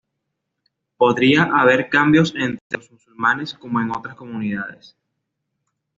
Podría haber cambios entre los musulmanes como en otras comunidades.